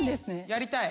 やりたい！